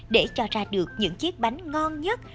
để cho ra được những chiếc bánh ngon nhất